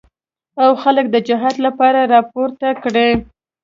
او خلک د جهاد لپاره راپورته کړي.